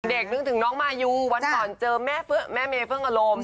เด็กนึงถึงน้องมายูวันก่อนเจอแม่เฟิ่งแม่เมเฟิ่งอารมณ์